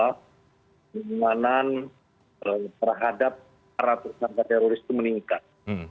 keinginan terhadap para peserta teroris itu meningkat